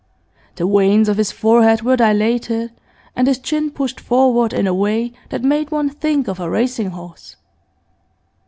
The veins of his forehead were dilated, and his chin pushed forward in a way that made one think of a racing horse.